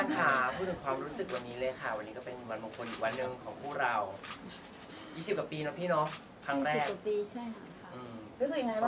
พี่เศรษฐ์พี่การณ์ค่ะพูดถึงความรู้สึกวันนี้เลยค่ะ